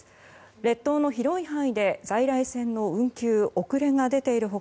列島の広い範囲で在来線の運休と遅れが出ている他